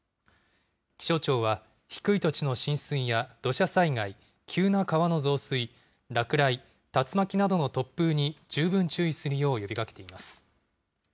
気象庁は、低い土地の浸水や土砂災害、急な川の増水、落雷、竜巻などの突風に十分注意するよう呼びかけています。